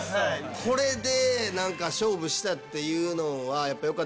これで勝負したっていうのはよかったです。